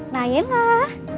nah ini lah